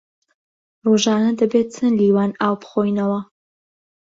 ڕۆژانە دەبێ چەند لیوان ئاو بخۆینەوە؟